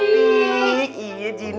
wah gua dibohong